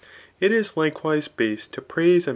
It is likewise base to prtise a.